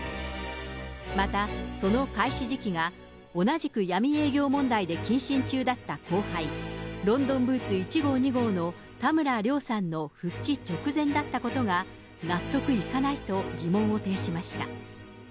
また、その開始時期が、同じく闇営業問題で謹慎中だった後輩、ロンドンブーツ１号２号の田村亮さんの復帰直前だったことが納得いかないと疑問を呈しました。